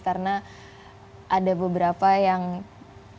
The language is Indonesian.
karena ada beberapa yang